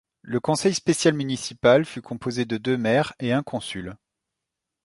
Le conseil spécial municipal fut composé de deux maires et un consul.